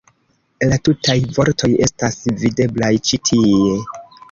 La tutaj vortoj estas videblaj ĉi tie.